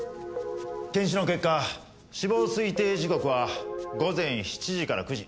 検視の結果死亡推定時刻は午前７時から９時。